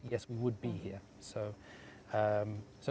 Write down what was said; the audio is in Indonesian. ya ini adalah uang